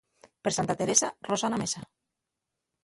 Per Santa Teresa, rosa na mesa.